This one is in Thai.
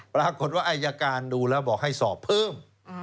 ปรากฏว่าอายการดูแล้วบอกให้สอบเพิ่ม